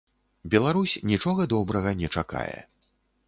Беларусь нічога добрага не чакае.